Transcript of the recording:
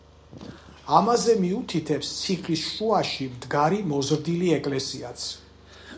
ამაზე მიუთითებს ციხის შუაში მდგარი მოზრდილი ეკლესიაც.